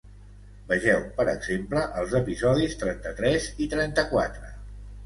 Vegeu, per exemple, els episodis trenta-tres i trenta-quatre.